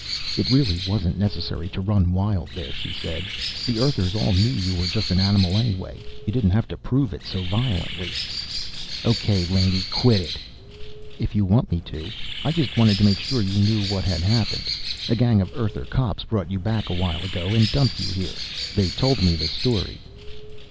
"It really wasn't necessary to run wild there," she said. "The Earthers all knew you were just an animal anyway. You didn't have to prove it so violently." "Okay, Laney. Quit it." "If you want me to. I just wanted to make sure you knew what had happened. A gang of Earther cops brought you back a while ago and dumped you here. They told me the story."